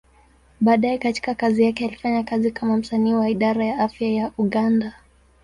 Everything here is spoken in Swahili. Baadaye katika kazi yake, alifanya kazi kama msanii wa Idara ya Afya ya Uganda.